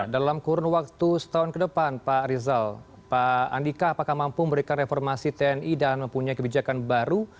dalam kurun waktu setahun ke depan pak rizal pak andika apakah mampu memberikan reformasi tni dan mempunyai kebijakan baru